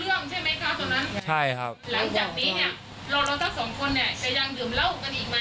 เรื่องใช่ไหมใช่ครับ